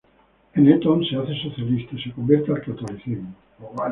En Eton se hace socialista y se convierte al catolicismo.